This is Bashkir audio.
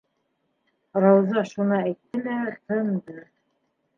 - Рауза шуны әйтте лә тынды.